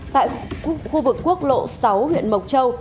tại khu vực quốc lộ sáu huyện mộc châu